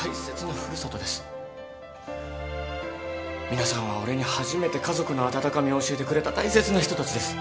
皆さんは俺に初めて家族の温かみを教えてくれた大切な人たちです。